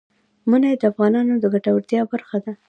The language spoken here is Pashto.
منی د افغانانو د ګټورتیا برخه ده.